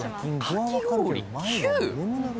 かき氷９？